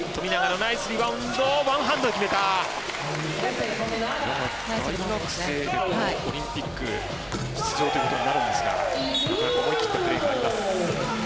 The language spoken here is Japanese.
大学生でこのオリンピックに出場ということになるんですが思い切ったプレーがあります。